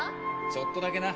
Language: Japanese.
ちょっとだけな。